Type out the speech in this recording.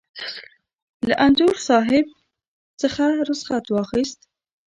له انځور صاحب څخه رخصت واخیست.